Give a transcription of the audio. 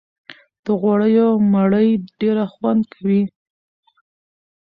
د غوړيو مړۍ ډېره خوند کوي